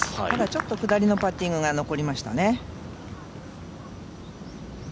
ただちょっと下りのパッティングが残りましたね。